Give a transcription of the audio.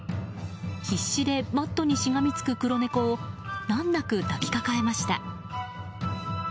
必死でマットにしがみつく黒猫を難なく抱きかかえました。